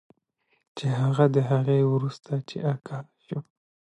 چې هغه د هغې وروسته چې آګاه شو